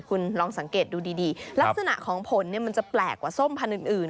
คุณลองสังเกตดูดีลักษณะของผลเนี่ยมันจะแปลกกว่าส้มพันธุ์อื่น